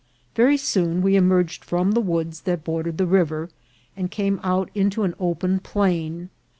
Very soon we emerged from the woods that bordered the river, and came out into an operi plain.